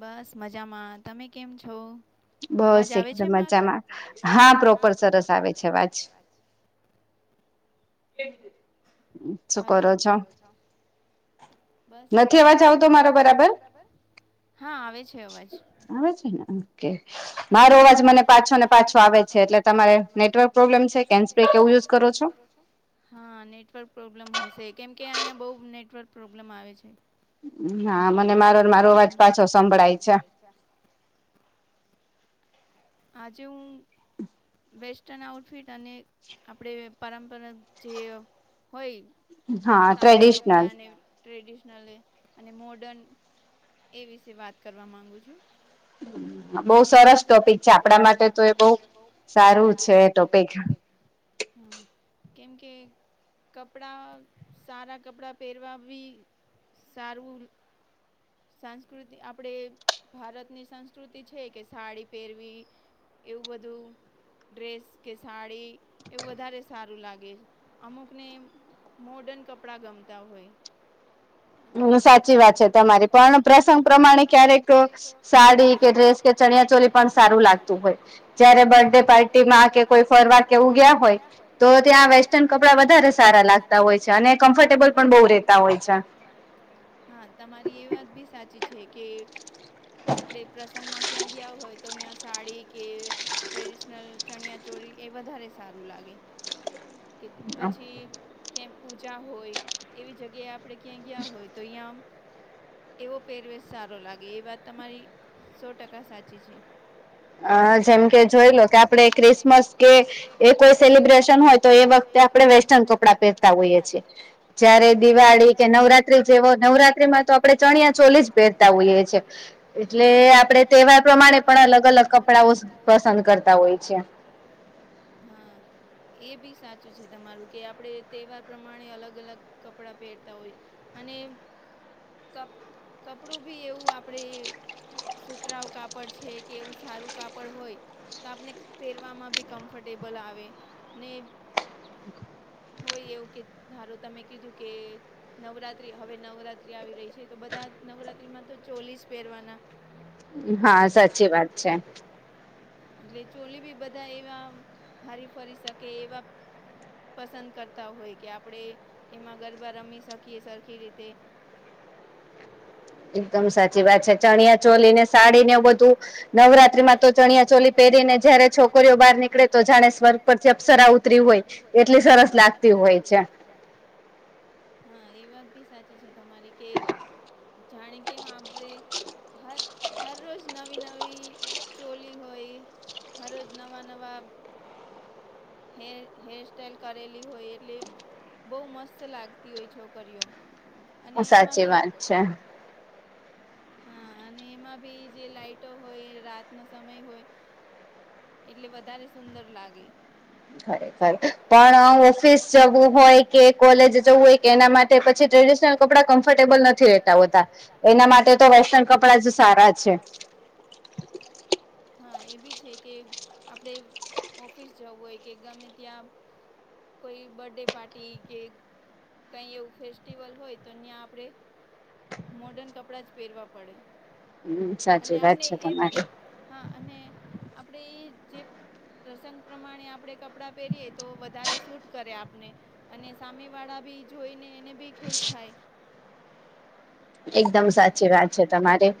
બસ મજામાં, તમે કેમ છો? અવાજ આવે છે મારો? હલો! બસ કામ કરીને હા, આવે છે અવાજ. છે, એટલે તમારે નેટવર્ક પ્રોબ્લેમ છે કે [unintelligible] કે એવું યુઝ કરો છો? હા, નેટવર્ક પ્રોબ્લેમ હશે, કેમ કે અહીંયા બઉં નેટવર્ક પ્રોબ્લેમ આવે છે. હા, મને મારોને મારો અવાજ પાછો સંભળાય છે. આજ હું [inaudible] વેસ્ટર્ન આઉટફિટ અને આપણે પરંપરા જે હોય સાદા કપડા ને ટ્રેડિશનલ એ, અને મોડર્ન, એ વિશે વાત કરવા માંગુ છું બઉુ સરસ ટોપિક છે, આપણા માટે તો એ બઉ સારું છે ટોપિક. હમ્મ, કેમ કે કપડાં સારા કપડાં પહેરવા બી સારું સાંસકૃતિ, આપણેે ભારતની સંસ્કૃતિ છે કે સાડી પહેરવી એવું બધું, ડ્રેસ કે સાડી એવું વધારે સારું લાગે અમુકને મોર્ડન કપડાં ગમતા હોય હમ્મ, સાચી વાત છે તમારી. પણ પ્રસંગ પ્રમાણે ક્યારેક સાડી કે ડ્રેસ કે ચણિયા ચોલી પણ સારું લાગતું હોય. જયારે બર્થડે પાર્ટીમાં કે કોઈ ફરવા કે ઉગયા હોય તો ત્યાં વેસ્ટર્ન કપડા વધારે સારા લાગ તા હોય છે અને કમ્ફર્ટેબલ પણ બહુ રહેતા હોય છે. હા, તમારી એ વાત ભી સાચી છે કે આપડે પ્રસંગ માં ક્યાં ગયા હોય તો અહીંયા સાડી કે ટ્રેડિશનલ ચણિયા ચોરી એ વધારે સારું લાગે. [inaudible] કે પછી ક્યાં પૂજા હોય એવી જગ્યાએ આપણે ક્યાંય ગયા હોય તો અહીંયા આમ એવો પહેરવેેશ સારો લાગે એ વાત તમારી સો ટકા સાચી છે. અ જેમ કે જોઈ લો કે આપડ ક્રિસમસ કે એ કોઈ સેલિબ્રેશન હોય તો એ વખતે આપડણે વેસ્ટર્ન કપડાં પહેરતા હોઈએ છીએ જયારે દિવાળી કે નવરાત્રી જેવો નવરા નવરાતિ માત્ ચણિયા ચોલી જ પહેરતા હોઈએ છે એટલે આપણે તહેવાર પ્રમાણે પણ અલગ અલગ અલગ અલગ કપડાઓ પસંદ કરતા હોય છે. હા. એ બી સાચું છે, તમારું કે આપણે તહેવાર પ્રમાણે અલગ અલગ કપડાં પહેરતા હોય. અને કપ કપડું બી એવું આપડે સુતરાઉ કાપડ છે કે એવું સારું કાપડ હોય તો આપને પેરવામાં બી કમ્ફર્ટેબલ આવે ને હોય એવું કે ધારો તમે કીધું કે નવરાત્રી હવે નવરાત્રી આવી રહી છે. તે તો બધા જ નવરાત્રી માં તો ચોલી જ પેરવાના. હા સાચી વાત છે. એટલે ચોલી બી બધા એવા આમ હારી ફરી શકે એવા પસંદ કરતા હોય કે આપડે એમાં ગરબા રમી શકીએ સરખી રીતે એકદમ સાચી વાત છે, ચણિયા ચોલી ને સાડી ને બધું નવરાત્રી માં તો ચણિયા ચોલી પહેરીને જયારે છોકરીઓ બહાર નીકળે તો જાણે સ્વર્ગ પરથી અપ્સરા ઉતરી હોય એટલી સરસ લાગ લાગતી હોય છે. હા એ વાત બી સાચી છે તમારી કે જાણે કેમ આપડે હર હર રોજ નવી નવી ચોલી હોય. હર રોજ નવા નવા હેર હેરસ્ટ્ટાઈલ કરેલી હોય એટલી બઉ મસ્ત લાગતી હોય છોકરીઓ અને એમાં બી, સાચી વાત છે. હા અને એમાં બી જે લાઈટો હોય રાતનો સમય હોય એટલે વધારે સુંદર લાગે. ખરેખર પણ ઓફિસ જવું હોય કે કોલેજ જવું એક કે એના માટે પછી ટ્રેડિશનલ કપડા કમ્ફર્ટેબલ નથી રહેેતા હોતા. એનામાં માટે તો વેસ્ટર્ન કપડા જ સારા છે. હા એ બી છે કે આપણે ઓફિસ જવું હોય કે ગમે ત્યાં કોઈ બર્ડે પાર્ટી કે કઈ એવું ફેસ્ટિવલ હોય તો ન્યા આપડે મોર્ડન કપડા જ પેરવા પડે. અને આપને એ બી જ હા અને આપણે એ જે પ્રસંગ પ્રમાણે આપણે કપડાં પહેરીએ તો વધારે સૂટ કરે આપને. અને સામે વાળા ભી જોઈને એને બી ખુશ થાય. એકદમ સાચી વાત છે તમરી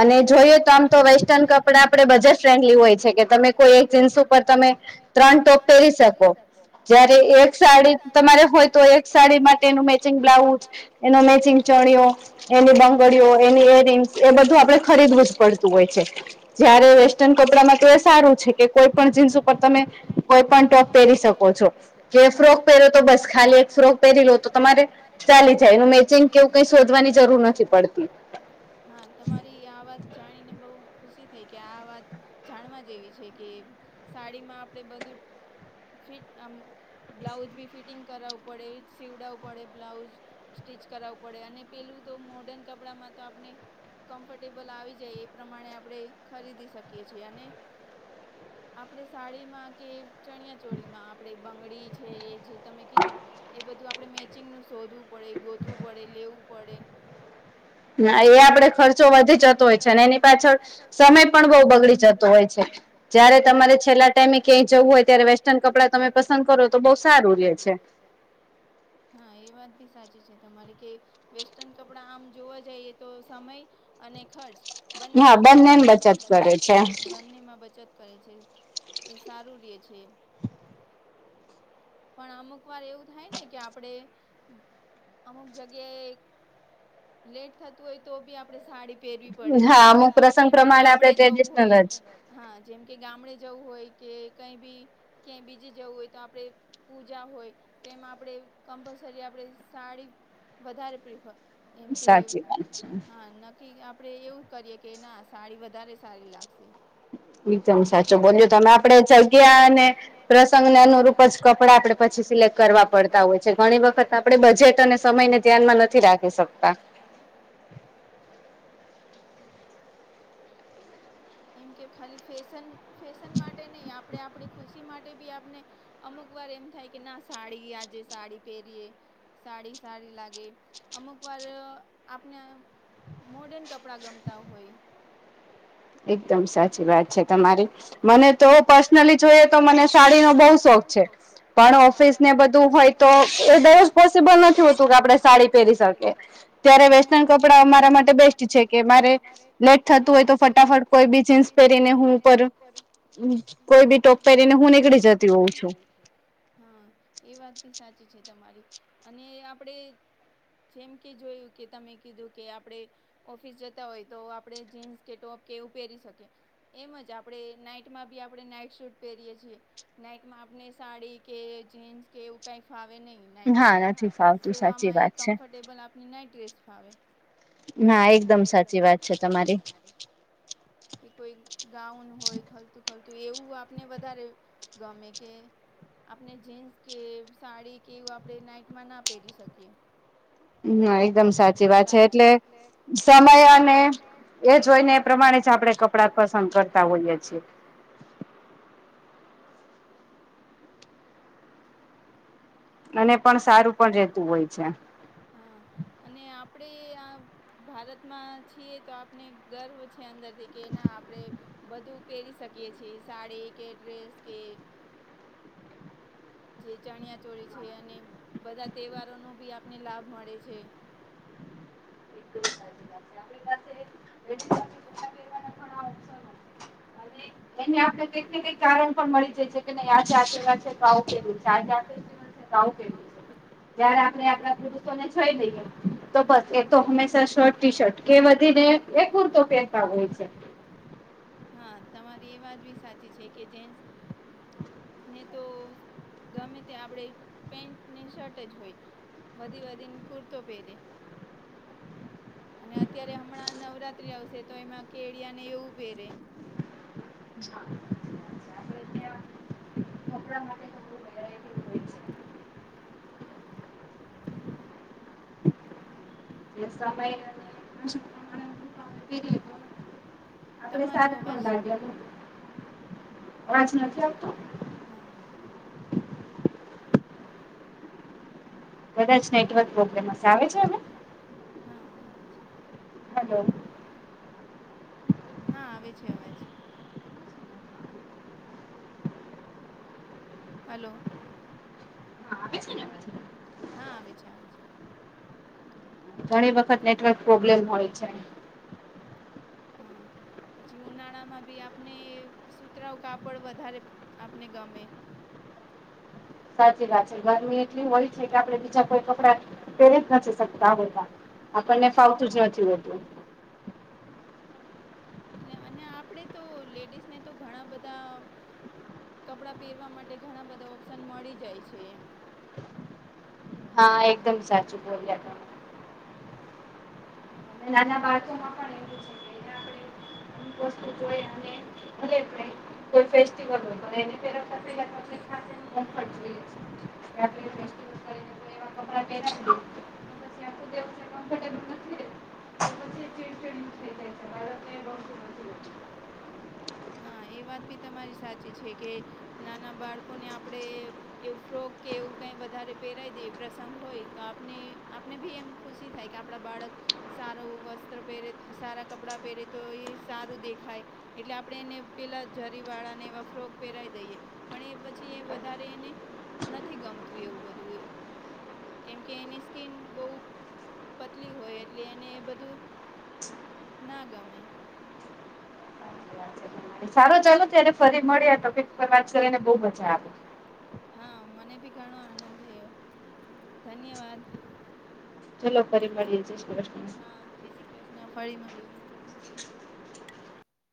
અને જોઈએ તો આમ તો વેસ્ટન કપ પડા આપડે બજેટ ફ્રેન્ડલી હોય છે કે તમે કોઈ એક જીન્સ ઉપર તમે ત્રણ ટોપ પહેરી શકો. જયારે એક સાડી તમારે હોય તો એક સાડી માટેનું મેચિંગ બ્લાઉજ એનો મેચિંગ ચણિયો એ બંગડીઓ એની એરિગ્સ એ બધું આપડે ખરીદવું જ પડતું હોય છે જયારે વેશ સ્ટન કપડામાં તો એ સારું છે કે કોઈ પણ જીન્સ ઉપર તમે કોઈ પણ ટોપ પહેરી શકો છો. કે ફ્રોક પહેરો તો બસ ખાલી એક ફ્રોક પહેરી લો તો તમારે ચાલી જાય એનું મેચિંગ કેવું કઈ શોધવાની જરૂર ન જરૂર નથી પડતી હા તમારી આ વાત જાણીને બઉ ખુશી થઈ કે આ વાત જાણવા જેવી છે કે સાડીમાં આપણે બધું ફિટ આમ બ્લાઉઝ ભી ફિટિંગ કરાવવું પડે એજ સીવડાવું પડે બ્લાઉઝ સ્ટીચ કરાવવું પડે અને પેલું તો મોર્ડર્ન કપડામાં તો આપણે કમ્ફર્ટેબલ આવી જાય એ પ્રમાણે આપડે ખરીદી શકીએ છીએ અને આપડે સાડીમાં કે ચણિયા ચોળીમાં આપણે બંગડી છે જે તમે કીધું એ બધું આપડે મેચિંગનું શોધવું પડે, ગોતવું પડે, લેવું પડે ના એ આપડે ખર્ચો વધી જતો હોય છે અને એની પાછળ સમય પણ બહુ બગડી જતો હોય છે. જયારે તમારે છેલ્લા ટાઈમે ક્યાંય જવું હોય, ત્યારે વેસ્ટર્ન કપડાં તમે પસંદ કરો તો બઉ સારું રયે છે. હા, એ વાત બી સાચી છે. તમારે કે વેસ્ટન તોપડ આમ જોવા જઈએ, તો સમય અને ખર્ચ બંનેમાં બેસ્ટ હશે. હા, બંનેમાં બચત કરે છે, એ સારું રયે છે. પણ અમુક વાર એવું થાય ને કે આપડે અમુક જગ્યાએ લેટ થતું હોય તો બી આપડે સાડી પેહરવી પડે છે. જેમ કે ગામડે જવું હોય હા, જેમ કે ગામડે જવું હોય, કે કઈ બી ક્યાંય બીજે જવું હોય તો આપડે પૂજા હોય, તો એમાં આપડે કમ્પલસરી આપડે સાડી વધારે પ્રીફર એમ કે, હા ન કે આપડે એવું કરીએે કે ના, સાડી વધારે સારી લાગશે. એકદમ સાચું બોલ્યો તમે. આપડે જગ્યા અને પ્રસંગને અનુરૂપ જ કપડા આપડે પછી સિલેક્ટ કરવા પડતા હોય છે. ઘણી વખત આપણે બજેટ અને સમયને ધ્યાનમાં નથી રાખી શકતા. કા એમ કે ખાલી ફેશન ફેશન માટે નહી. આપડે આપડી ખુશી માટે બી આપને અમુક વાર એમ થાય કે ના સાડી આજે સાડી પહેરીએ સાડી સારી લાગે. અમુક વાર આપને મોર્ડન કપડાં ગમતા હોય. એકદમ સાચી વાત છે તમારી. મને તો પર્સનલી જોઈએ, તો મને સાડીનો બહુ શોખ છે. શોખ છે. પણ ઓફિસને બધું હોય, તો એ દરરોજ પોસિબલ નથી હોતું કે આપડે સાડી પહેરી શકીએ. ત્યારે વેસ્ટર્ન કપડાં અમારા માટે બેસ્ટ છે કે, મારે લેટ થતું હોય તો ફટાફટ ફટાફટ કોઈ બી જીન્સ પહેરીને હું પર ઉહ કોઈ બી ટોપ પહેરીને હું નીકળી જતી હોઉ છું. હા એ વાત બી છે તમારી. અને આપડે જેમ કે જોયું કે તમે કીધું કે આપડે ઓફિસ જતા હોય, તો આપડે જીન્સ કે ટોપ કે એવું પહેરી શકીએ. એમ જ આપડે નાઈટમાં બી આપડે નાઈટ શૂટ પહેરીએ છીએ. નાઈટમાં આપને સાડી કે જીન્સ કે એવું કઈ ફાવે નહી. સુવામાં એ કમફર્ટેબલ આપની નાઈટ ડ્રેસ ફાવે. ના એકદમ સાચી વાત છે તમારી. કે કોઈ ગાઉન હોય ખલતું ખલતું એવું આપણને વધારે ગમે કે આપણે જીન્સ કે સાડી કે એવું આપણે નાઈટમાં ના પહેરી શકીએ. ના એકદમ સાચી વાત છે, એટલે સમય અને એ જોઈને એ પ્રમાણે જ આપણે કપડાં પસંદ કરતા હોઈએ છીએ. અને પણ સારું પણ રહેતું હોય છે. હા, અને આપણે આ ભારતમાં છીએ તો આપણને ગર્વ છે અંદરથી કે ના આપણે બધું પહેરી શકીએ છીએ, સાડી કે ડ્રેસ કે જે ચણિયા ચોળી છે અને, બધા તહેવારોનો બી આપણને લાભ મળે છે. [inaudible] [inaudible] એને આપણે કઈક ને કઈક કારણ પણ મળી જાય છે કે ન આજે આેવા છે તો આવું પેરીએ છે આજ [unintelligible] [unintelligible] જયારે આપણે આપડા પુરુષોને જોઈ લઈએ તો બસ એ તો હંમેશા શર્ટ, ટી-શર્ટ ટી-શર્ટ કે બધી ને એ કુર્તો પેરતા હોય, હા તમારી એ વાત ભી સાચી છે કે, જેન્સ ને તો ગમે તે આપડે પેન્ટ ને શર્ટ જ હોય વધી વધીને કુરતો પેરે. અને અત્યારે હમણાં નવરાત્રી આવશે, તો એમાં કેળિયા ને એવું પેરે હા આપડે ત્યાં કપડા માટે ખુબ વેરાયટી હોય છે. [inaudible] એ સમય દરમિયાન [unintelligible] પેરયે આપડે સારા નો લાગે [unintelligible] પાછી આવતા, હમ્મ કદાચ નેટવર્ક પ્રોબ્લેમસ હશે, આવે છે હવે? હા આવી છે. હા આવે છે અવાજ. હલો હા આવે છે ને અવાજ હા, આવે છે, આવે છે. ઘણી વખત નેટવર્ક પ્રોબ્લેમ હોય છે. હા, પછી ઉનાળામાં બી આપને સુતરાઉ કાપડ વધારે આપને ગમે. સાચી વાત છે, ગરમી એટલી હોય છે કે આપડે બીજા કોઈ કપડા પહેરી જ નથી શકતા હોતા. આપણને ફાવતુંજ નથી હોતું. એટલે અને આપડે તો લેડીઝને તો ઘણા બધા કપડા પહેરવા માટે ઘણા બધા ઓપ્શન મળી જાય છે એમ હા એકદમ સાચું બોલ્યા તમે નાના બાળકોમાં પણ એવું છે કે આપડે અમુક વસ્તુ જોયે અને [unintelligible] કોઈ ફેસ્ટિવલ હોય તો ની હવે [unintelligible] [unintelligible] કમફટ જોયે છે પછી આપડે [unintelligible] એવા કાપડા પેરવાના તો પછી બે વચ્ચે કમ્ફર્ટેબલ નથી રે. તો પછી ચીડ ચીડનો થય જાય છે બાળકને એ ગમતું નથી. હા એ વાત બી તમારી સાચી છે કે, નાના બાળકોને આપડે એવું ફ્રોક કે એવું કઈ વધારે પહેરાય દેયે પ્રસંગ હોય તો આપને આપને ભી એમ ખુશી થાય કે આપડા બાળક સારું વસ્ત્ર પહેરે સારા કપડાં પહેરે તો એ સારું દેખાય એટલે આપ ડે એને પેલા જરી વાળા ને એવા ફ્રોક પેરાઈ દઈએ પણ એ પછી એ વધારે એને નથી ગમતું એવું બધું એ કેમ કે એની સ્કીન બહુ પતલી હોય એટલે એને બધું ના ગમે. સારો ચાલો ત્યારે ફરી મળીએ ટોપિક પર વાત કરીને બઉ મજા આવી. હા મને ભી ઘણો આનંદ થયો. ધન્યવાદ. ચલો ફરી કરીએ. હા જય શ્રી કૃષ્ણ ફરી મળીએ.